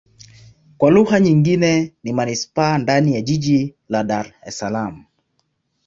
Kwa lugha nyingine ni manisipaa ndani ya jiji la Dar Es Salaam.